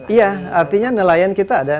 iya artinya nelayan kita ada